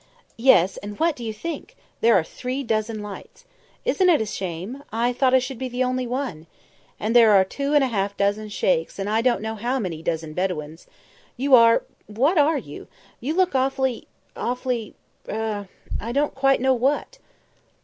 "Yes; and what do you think? There are three dozen Lights. Isn't it a shame? I thought I should be the only one. And there are two and a half dozen Sheikhs, and I don't know how many dozen Bedouins. You are what are you? You look awfully awfully er I don't quite know what."